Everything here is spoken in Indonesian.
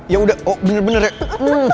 ya udah oh bener bener ya